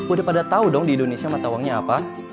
udah pada tau dong di indonesia mata uangnya apa